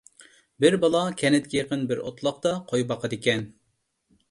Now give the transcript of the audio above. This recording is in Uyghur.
بىر بالا كەنتكە يېقىن بىر ئوتلاقتا قوي باقىدىكەن.